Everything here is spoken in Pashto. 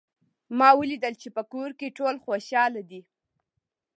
ما ولیدل چې په کور کې ټول خوشحال دي